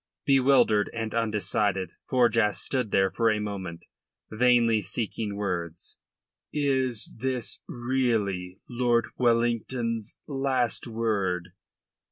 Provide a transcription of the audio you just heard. Bewildered and undecided, Forjas stood there for a moment, vainly seeking words. Finally: "Is this really Lord Wellington's last word?"